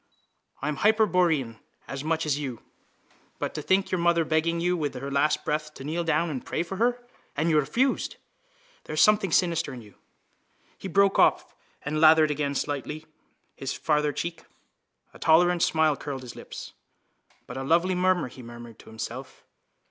I'm hyperborean as much as you. But to think of your mother begging you with her last breath to kneel down and pray for her. And you refused. There is something sinister in you.... He broke off and lathered again lightly his farther cheek. A tolerant smile curled his lips. —But a lovely mummer! he murmured to himself.